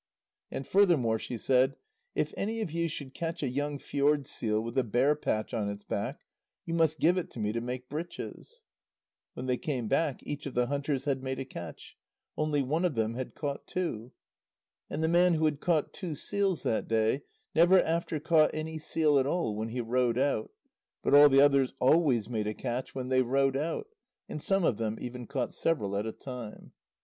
And furthermore she said: "If any of you should catch a young fjord seal with a bare patch on its back, you must give it to me to make breeches." When they came back, each of the hunters had made a catch; only one of them had caught two. And the man who had caught two seals that day never after caught any seal at all when he rowed out, but all the others always made a catch when they rowed out, and some of them even caught several at a time.